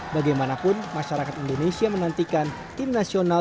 bagaimanapun masyarakat indonesia menantikan tim nasional